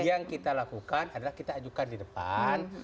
yang kita lakukan adalah kita ajukan di depan